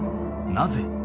なぜ？